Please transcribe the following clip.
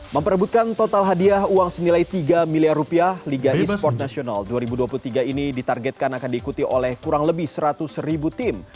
memperebutkan total hadiah uang senilai tiga miliar rupiah liga e sport nasional dua ribu dua puluh tiga ini ditargetkan akan diikuti oleh kurang lebih seratus ribu tim